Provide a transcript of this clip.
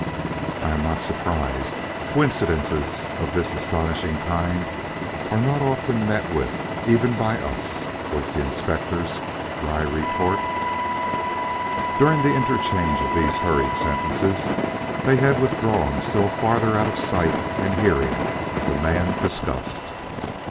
"I am not surprised. Coincidences of this astonishing kind are not often met with even by us," was the Inspector's dry retort. During the interchange of these hurried sentences, they had withdrawn still farther out of sight and hearing of the man discussed.